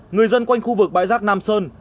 người dân quanh khu vực bãi rác nam sơn